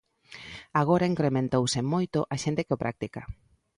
Agora incrementouse moito a xente que o practica.